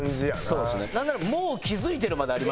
なんならもう気付いてるまでありますよね。